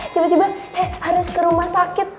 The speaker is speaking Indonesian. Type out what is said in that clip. tiba tiba eh harus ke rumah sakit